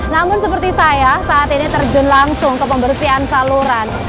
namun seperti saya saat ini terjun langsung ke pembersihan saluran